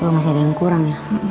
masih ada yang kurang ya